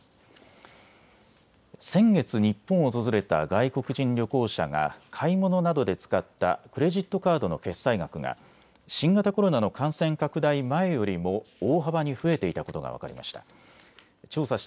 先月、日本を訪れた外国人旅行者が買い物などで使ったクレジットカードの決済額が新型コロナの感染拡大前よりも大幅に増えていたことが分かりました。